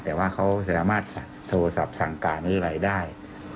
แต่ว่าเขาสามารถโทรศัพท์สั่งการหรืออะไรได้